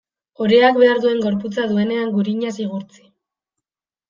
Oreak behar duen gorputza duenean, gurinaz igurtzi.